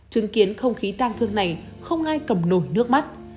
chứng kiến không khí tang thương này không ai cầm nổi nước mắt